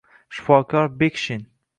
shifokor Bekshin